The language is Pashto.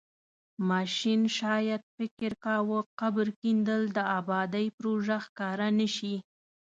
ماشین شاید فکر کاوه قبر کیندل د ابادۍ پروژه ښکاره نشي.